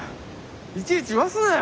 いちいち言わすなよ。